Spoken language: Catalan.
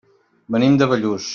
Venim de Bellús.